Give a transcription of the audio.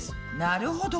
なるほど。